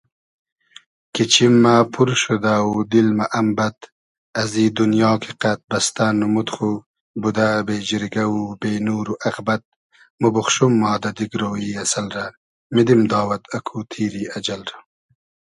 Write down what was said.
کی چیم مۂ پور شودۂ و دیل مۂ ام بئد ازی دونیا کی قئد بئستۂ نومود خو بودۂ بې جیرگۂ و بې نور و اغبئد موبوخشوم ما دۂ دیگرۉ ای اسئل رۂ میدیم داوئد اکو تیری اجئل رۂ